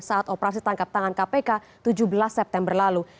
saat operasi tangkap tangan kpk tujuh belas september lalu